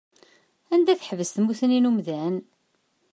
Anda tḥebbes tmusni n umdan?